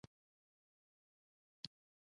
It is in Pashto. هغه اوس هم شته خو فعال نه دي.